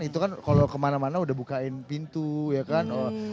itu kan kalau kemana mana udah bukain pintu ya kan